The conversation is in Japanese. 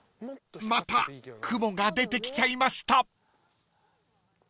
［また雲が出てきちゃいました］